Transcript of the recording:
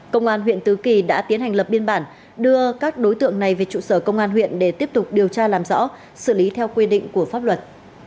công an huyện tứ kỳ đã tiến hành lập biên bản đưa các đối tượng này về trụ sở công an huyện để tiếp tục điều tra làm rõ xử lý theo quy định của pháp luật